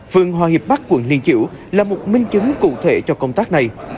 phương hòa hiệp bắc quận liên chiểu là một minh chứng cụ thể cho công tác này